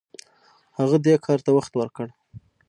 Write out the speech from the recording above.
هغه دې کار ته وخت ورکړ.